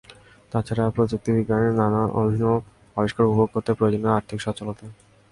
তাছাড়া প্রযুক্তি বিজ্ঞানের নানান অভিনব আবিষ্কার উপভোগ করতে প্রয়োজন অর্থনৈতিক সচ্ছলতা।